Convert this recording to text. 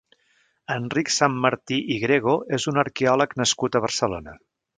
Enric Sanmartí i Grego és un arqueòleg nascut a Barcelona.